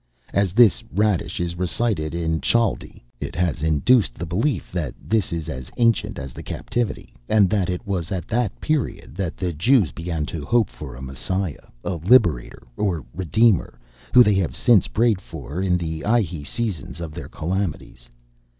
As this Radish is recited in Chaldee, it has induced the belief, that it is as ancient as the captivity, and that it was at that period that the Jews began to hope for a Messiah, a Liberator, or Redeemer, whom they have since prayed for in ihe seasons of their calamities.